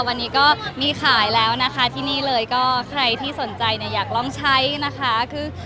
วันนี้มีขายแล้วนะคะใครที่สนใจอยากลองใช้นะคะ